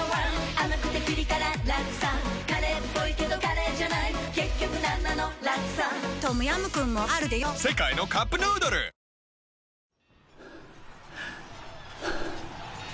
甘くてピリ辛ラクサカレーっぽいけどカレーじゃない結局なんなのラクサトムヤムクンもあるでヨ世界のカップヌードル今の私に恐れなどない